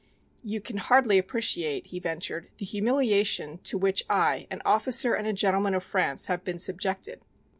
"You can hardly appreciate," he ventured, "the humiliation to which I, an officer and a gentleman of France, have been subjected."